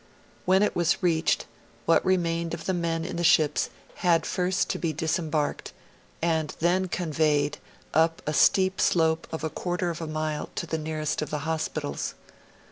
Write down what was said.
When it was reached, what remained of the men in the ships had first to be disembarked, and then conveyed up a steep slope of a quarter of a mile to the nearest of the hospitals.